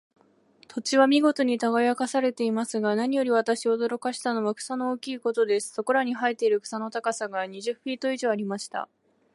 土地は見事に耕されていますが、何より私を驚かしたのは、草の大きいことです。そこらに生えている草の高さが、二十フィート以上ありました。